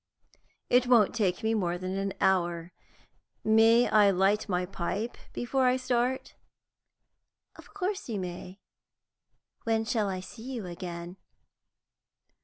It won't take me more than an hour. May I light my pipe before I start?" "Of course you may. When shall I see you again?"